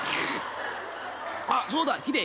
「あっそうだ。ヒデ。